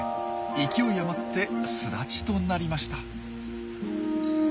勢い余って巣立ちとなりました。